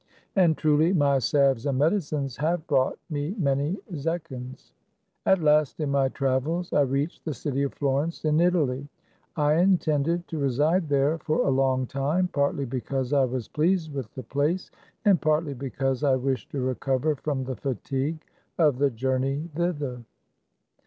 And truly my salves and medicines have brought me many zechins. At last, in my travels, I reached the city of Florence, in Italy. I inten ded to reside there for a long time ; partly because I was pleased with the place, and partly because I wished to recover from the fatigue of the journey thither.